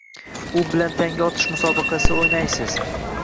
U bilan tanga otish musobaqasi o‘ynaysiz.